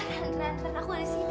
tidak rani aku di sini